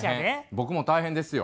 僕も大変ですよ。